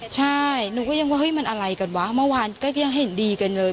ใช่หนูก็ยังว่าเฮ้ยมันอะไรกันวะเมื่อวานก็ยังเห็นดีกันเลย